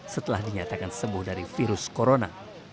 setelah dinyatakan sembuh dari virus corona